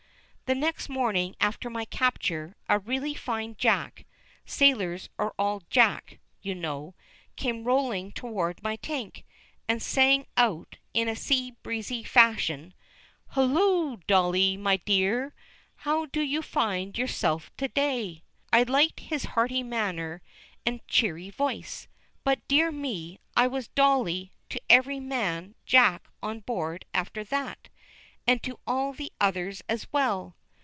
The next morning after my capture, a really fine Jack sailors are all "Jack," you know came rolling toward my tank, and sang out in sea breezy fashion: "Hulloo, Dolly me dear, how do you find yourself to day?" I liked his hearty manner and cheery voice, but, dear me, I was "Dolly" to every man Jack on board after that, and to all the others as well.